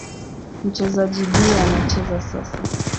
Mchezaji B anacheza sasa.